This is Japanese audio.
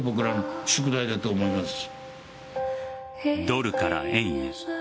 ドルから円へ。